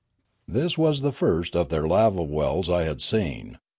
This was the first of their lava wells I had seen.